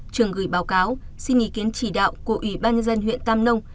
trường gửi báo cáo xin ý kiến chỉ đạo của ủy ban nhân dân huyện tam nông